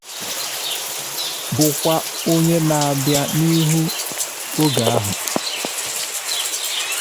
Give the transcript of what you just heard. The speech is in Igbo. bụkwa onye na-abịa n'ihu oge ahụ.